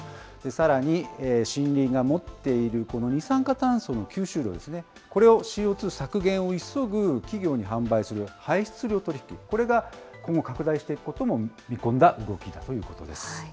さらに、森林が持っているこの二酸化炭素の吸収量ですね、これをＣＯ２削減を急ぐ企業に販売する排出量取り引き、これが今後、拡大していくことも見込んだ動きだということです。